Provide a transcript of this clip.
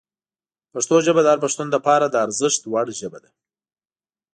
پښتو ژبه د هر پښتون لپاره د ارزښت وړ ژبه ده.